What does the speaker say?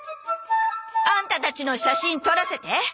アンタたちの写真撮らせて！